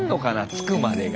着くまでが。